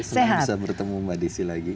senang bisa bertemu mbak desi lagi